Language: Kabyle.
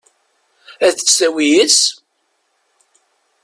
Ad tt-tawi yid-s?